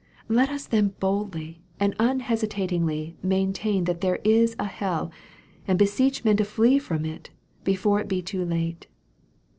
Let us then boldly and unhesitatingly maintain that there is a hell, and beseech men to flee from it, before it be too late.